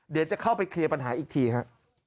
เดี๋ยวจะเข้าไปเคลียร์ปัญหาอีกทีฮะ